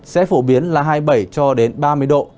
sẽ phổ biến là hai mươi bảy cho đến ba mươi độ